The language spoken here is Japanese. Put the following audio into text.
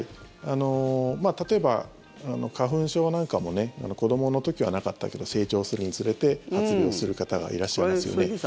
例えば、花粉症なんかも子どもの時はなかったけど成長するにつれて発病する方がいらっしゃいますよね。